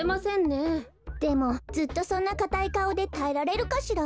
でもずっとそんなかたいかおでたえられるかしら？